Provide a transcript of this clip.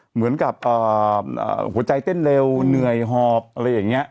เหมือนกับหัวใจเต้นเร็วเหนื่อยหอบอะไรอย่างนี้